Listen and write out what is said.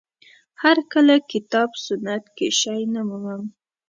هر کله کتاب سنت کې شی نه مومم